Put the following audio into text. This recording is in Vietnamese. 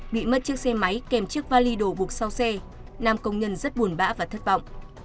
bị mất chiếc xe máy kèm chiếc vali đổ buộc sau xe nam công nhân rất buồn bã và thất vọng